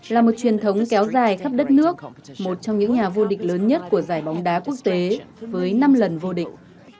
là một truyền thống kéo dài khắp đất nước một trong những nhà vô địch lớn nhất của giải bóng đá quốc tế với năm lần vô địch